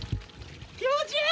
気持ちいい！